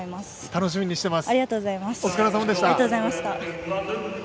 楽しみにしています